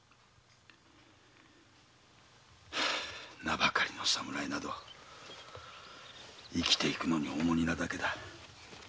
名ばかりの侍など生きてゆくのに重荷なだけだ。